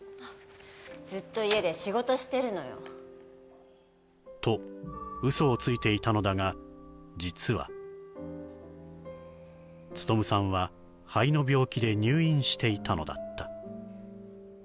ずっと家で仕事してるのよとウソをついていたのだが実は勉さんは肺の病気で入院していたのだった